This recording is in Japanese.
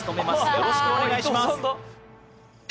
よろしくお願いします。